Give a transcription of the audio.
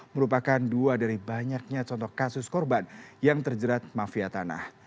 merupakan dua dari banyaknya contoh kasus korban yang terjerat mafia tanah